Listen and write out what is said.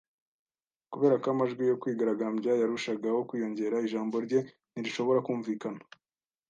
Kubera ko amajwi yo kwigaragambya yarushagaho kwiyongera, ijambo rye ntirishobora kumvikana.